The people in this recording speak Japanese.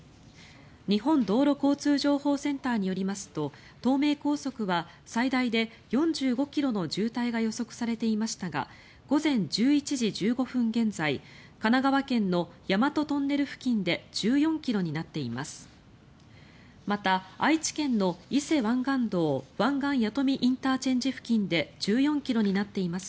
日本道路交通情報センターによりますと東名高速は最大で４５ｋｍの渋滞が予測されていましたが午前１１時１５分現在神奈川県の大和トンネル付近で１４ｋｍになっています。